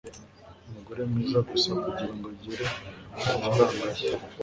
umugabo mwiza gusa kugirango agere kumafaranga ye